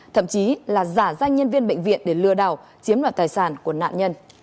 thậm chí là giả danh nhân viên bệnh viện để lừa đảo chiếm đoạt tài sản của nạn nhân